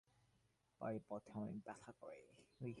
পায়ু পথে অনেক ব্যথা করে।